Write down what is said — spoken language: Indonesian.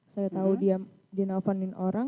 saya tahu dia nelfonin orang